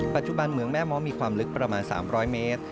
เมืองแม่ม้อมีความลึกประมาณ๓๐๐เมตร